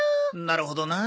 なるほどな。